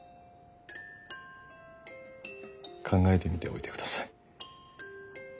考えてみておいてください。